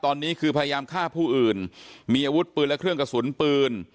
ตอนนี้คือพยายามฆ่าผู้อื่นมีอาวุธปืนและเครื่องกระสุนปืน